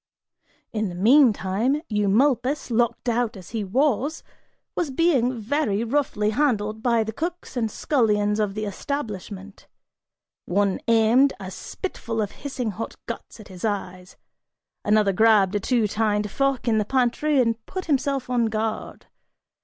In the meantime, Eumolpus, locked out as he was, was being very roughly handled by the cooks and scullions of the establishment; one aimed a spitful of hissing hot guts at his eyes; another grabbed a two tined fork in the pantry and put himself on guard.